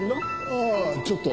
ああちょっと。